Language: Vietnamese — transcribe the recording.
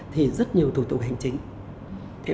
thì rất nhiều thủ tục hành chính